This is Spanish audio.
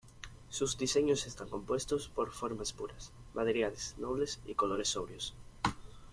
Sus diseños están compuestos por formas puras, materiales nobles y colores sobrios.